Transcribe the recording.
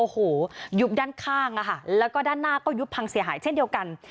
หยุบด้านข้างและด้านหน้าก็หยุบพังเสียหายเช่นเดียวกัน